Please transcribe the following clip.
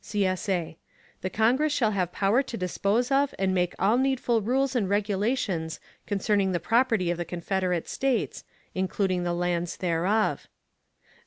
[CSA] The Congress shall have power to dispose of and make all needful rules and regulations concerning the property of the Confederate States, including the lands thereof.